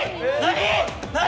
何？